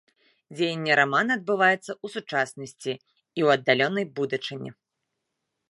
Дзеянне рамана адбываецца ў сучаснасці і ў аддаленай будучыні.